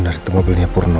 bener itu mobilnya purnomo